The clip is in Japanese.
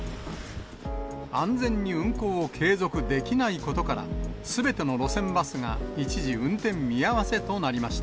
安全に運行を継続できないことから、すべての路線バスが一時運転見合わせとなりました。